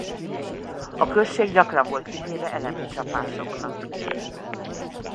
A község gyakran volt kitéve elemi csapásoknak.